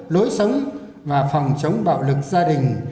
lối sống và phòng chống bạo lực gia đình